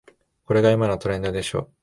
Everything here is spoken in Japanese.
これが今のトレンドでしょ